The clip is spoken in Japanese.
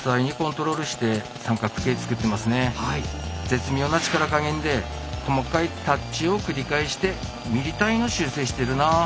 絶妙な力加減で細かいタッチを繰り返してミリ単位の修正してるなあ。